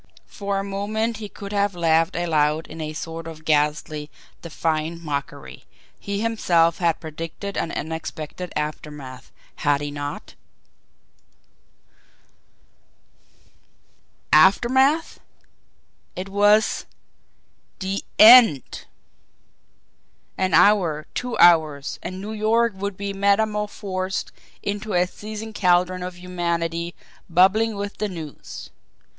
For a moment he could have laughed aloud in a sort of ghastly, defiant mockery he himself had predicted an unexpected aftermath, had he not! Aftermath! It was the END! An hour, two hours, and New York would be metamorphosed into a seething caldron of humanity bubbling with the news.